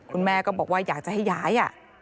คุณแม่ก็บอกว่าอยากจะให้ย้าย